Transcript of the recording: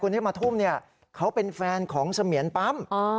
คุณที่มาทุ่มเขาเป็นแฟนของเสมียรปั๊ม